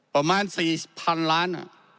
ประมาณ๔๐๐๐ล้าน